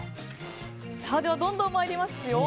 では、どんどん参りますよ。